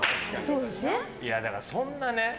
いや、だから、そんなね。